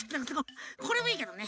これもいいけどね。